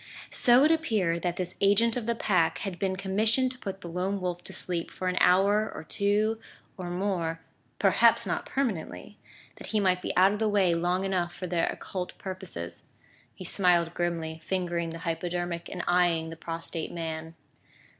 So it appeared that this agent of the Pack had been commissioned to put the Lone Wolf to sleep for an hour or two or more perhaps not permanently! that he might be out of the way long enough for their occult purposes. He smiled grimly, fingering the hypodermic and eyeing the prostrate man.